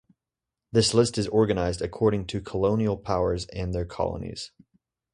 This list is organised according to colonial powers and their colonies.